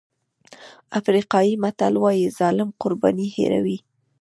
افریقایي متل وایي ظالم قرباني هېروي.